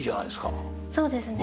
そうですね。